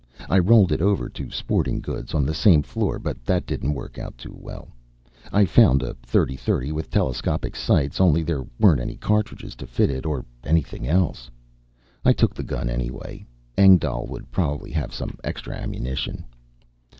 I rolled it over to Sporting Goods on the same floor, but that didn't work out too well. I found a 30 30 with telescopic sights, only there weren't any cartridges to fit it or anything else. I took the gun anyway; Engdahl would probably have some extra ammunition.